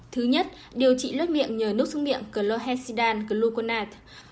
thứ nhất điều trị lết miệng nhờ nước xúc miệng chlorhexidane gluconate